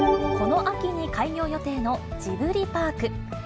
この秋に開業予定のジブリパーク。